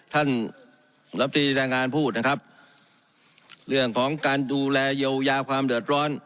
ท่านรับตีแรงงานพูดนะครับเรื่องของการดูแลเยียวยาความเดือดร้อน